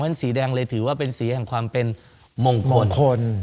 เพราะฉะนั้นสีแดงเลยถือว่าเป็นสีของความเป็นมงคล